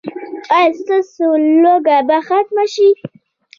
ایا ستاسو لوږه به ختمه شي؟